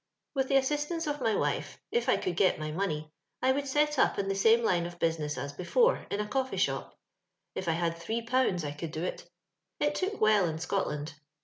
With the assist ance of my wife, if I could get my money, I would set up in the same line of business as before, in a coffee sliop. If I had three pounds I could do it : it took well in Scotland.